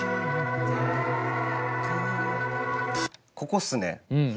ここっすね。